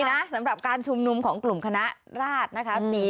นะสำหรับการชุมนุมของกลุ่มคณะราชนะคะ